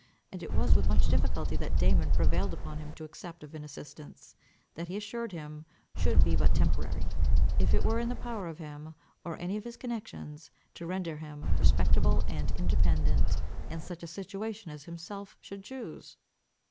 And it was with much difficulty that Damon prevailed upon him to accept of an assistance, that he assured him should be but temporary, if it were in the power of him, or any of his connections, to render him respectable and independent, in such a situation as himself should chuse.